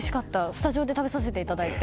スタジオで食べさせていただいて。